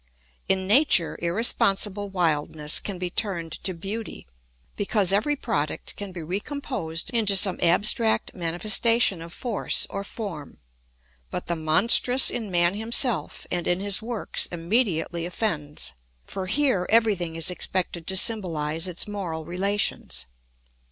In nature irresponsible wildness can be turned to beauty, because every product can be recomposed into some abstract manifestation of force or form; but the monstrous in man himself and in his works immediately offends, for here everything is expected to symbolise its moral relations.